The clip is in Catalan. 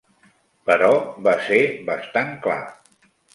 Però va ser bastant clar.